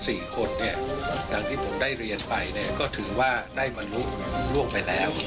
สี่คนเนี่ยอย่างที่ผมได้เรียนไปเนี่ยก็ถือว่าได้มนุษย์ล่วงไปแล้ว